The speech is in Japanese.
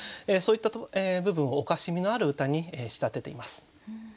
そういった部分をおかしみのある歌に仕立てています。